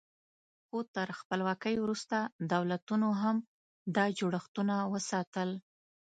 خو تر خپلواکۍ وروسته دولتونو هم دا جوړښتونه وساتل.